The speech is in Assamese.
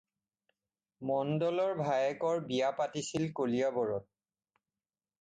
মণ্ডলৰ ভায়েকৰ বিয়া পাতিছিল কলিয়াবৰত।